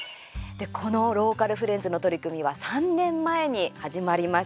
このローカルフレンズの取り組みは３年前に始まりました。